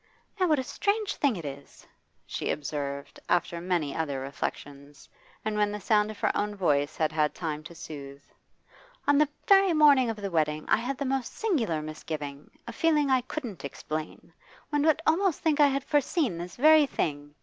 'Now, what a strange thing it is!' she observed, after many other reflections, and when the sound of her own voice had had time to soothe. 'On the very morning of the wedding I had the most singular misgiving, a feeling I couldn't explain. One would almost think I had foreseen this very thing.